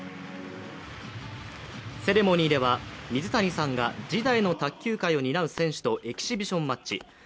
セレモニーでは、水谷さんが次代の卓球界を担う選手とエキシビションマッチ。